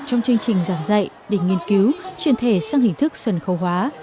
trong chương trình giảng dạy định nghiên cứu chuyển thể sang hình thức sần khâu hóa